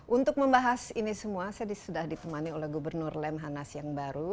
untuk membahas ini semua saya sudah ditemani oleh gubernur lemhanas yang baru